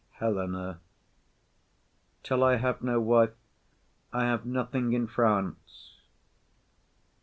_] HELENA. "Till I have no wife, I have nothing in France."